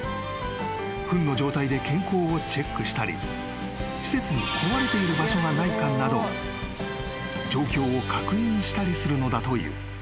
［ふんの状態で健康をチェックしたり施設に壊れている場所がないかなど状況を確認したりするのだという］